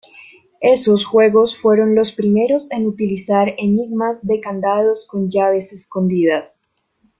Estos juegos fueron los primeros en utilizar enigmas de candados con llaves escondidas.